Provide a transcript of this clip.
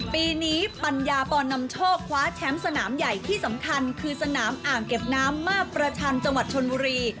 ปีนี้ปัญญาปอนำโชคคว้าแชมป์สนามใหญ่ที่สำคัญคือสนามอ่างเก็บน้ำมาประชันจังหวัดชนบุรี